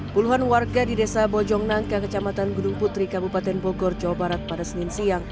puluhan warga di desa bojong nangka kecamatan gunung putri kabupaten bogor jawa barat pada senin siang